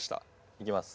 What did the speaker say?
いきます。